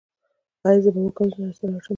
ایا زه به وکولی شم حج ته لاړ شم؟